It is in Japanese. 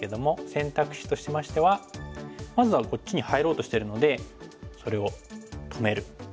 選択肢としましてはまずはこっちに入ろうとしてるのでそれを止める。